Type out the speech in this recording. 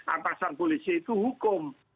atasan polisi itu hukum